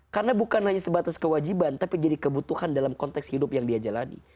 karena bukan hanya sebatas kewajiban tapi jadi kebutuhan dalam konteks hidup yang dia jalani